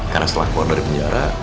karena setelah keluar dari penjara